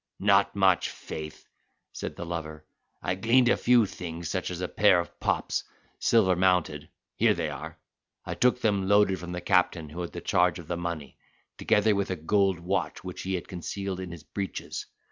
"Not much, faith," said the lover; "I gleaned a few things, such as a pair of pops, silver mounted (here they are): I took them loaded from the captain who had the charge of the money, together with a gold watch which he had concealed in his breeches.